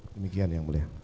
demikian yang mulia